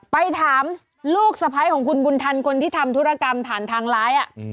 ไปถามลูกสะพ้ายของคุณบุญธรรมคนที่ทำธุรกรรมฐานทางร้ายอะ